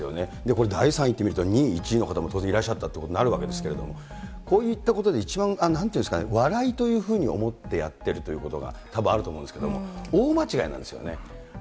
これ、第３位ということになると、２位、１位の方も当然いらっしゃったということになるわけですけれども、こういったことで一番なんていうんですかね、笑いというふうに思ってやってるということがたぶんあると思うんですけれども、大間違いなんですよね。